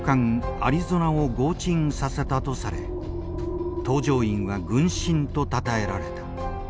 アリゾナを轟沈させたとされ搭乗員は軍神とたたえられた。